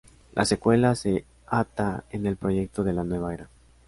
La secuela se ata en el Proyecto de la Nueva Era.